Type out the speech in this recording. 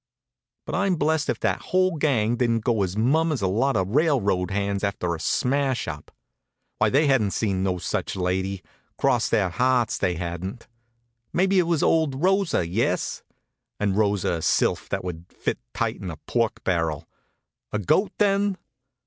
But I'm blessed if that whole gang didn't go as mum as a lot of railroad hands after a smash up. Why, they hadn't seen no such lady, cross their hearts they hadn't. Maybe it was old Rosa, yes? And Rosa a sylph that would fit tight in a pork barrel! A goat, then?